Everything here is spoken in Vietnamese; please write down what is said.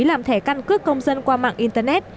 làm thẻ căn cước công dân qua mạng internet